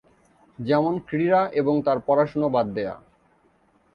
যেমন ক্রীড়া এবং তার পড়াশুনা বাদ দেয়া।